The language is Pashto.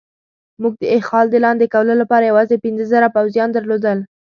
موږ د اخال د لاندې کولو لپاره یوازې پنځه زره پوځیان درلودل.